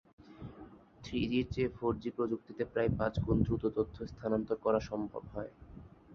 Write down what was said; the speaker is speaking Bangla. থ্রিজির চেয়ে ফোরজি প্রযুক্তিতে প্রায় পাঁচগুণ দ্রুত তথ্য স্থানান্তর করা সম্ভব হয়।